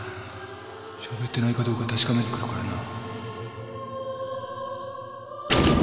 しゃべってないかどうか確かめに来るからな